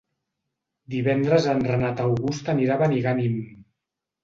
Divendres en Renat August anirà a Benigànim.